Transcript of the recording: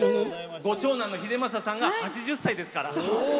ご長男の英政さんが８０歳ですから。